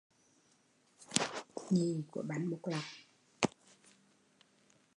Nhị của bánh bột lọc